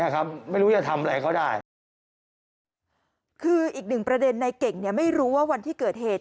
คืออีกหนึ่งประเด็นในเก่งเนี่ยไม่รู้ว่าวันที่เกิดเหตุ